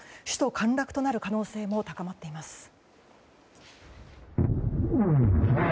首都陥落となる可能性も高まっています。